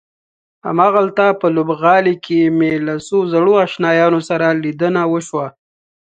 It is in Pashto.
هماغلته په لوبغالي کې مې له څو زړو آشنایانو سره لیدنه وشوه.